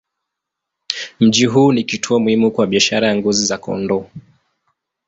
Mji huu ni kituo muhimu kwa biashara ya ngozi za kondoo.